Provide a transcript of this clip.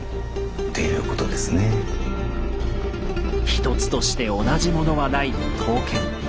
一つとして同じものはない刀剣。